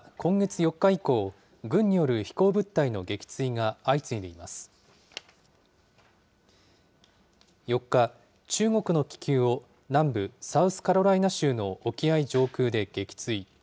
４日、中国の気球を南部サウスカロライナ州の沖合上空で撃墜。